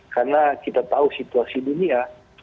karena kita tahu situasi dunia